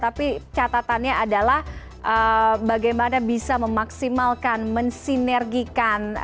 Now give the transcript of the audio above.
tapi catatannya adalah bagaimana bisa memaksimalkan mensinergikan